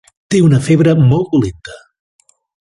Té una febre molt dolenta.